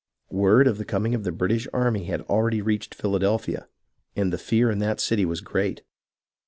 Word of the coming of the British army had already reached Philadelphia, and the fear in that city was great.